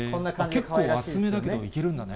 結構厚めだけどいけるんだね。